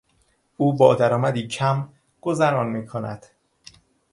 او با درآمدی کم گذران میکند.